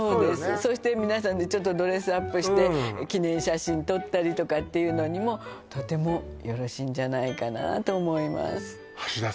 そして皆さんでドレスアップして記念写真撮ったりとかっていうのにもとてもよろしいんじゃないかなと思います